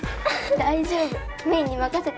大丈夫芽衣に任せて。